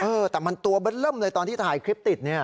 เออแต่มันตัวเบิ้ลเริ่มเลยตอนที่ถ่ายคลิปติดเนี่ย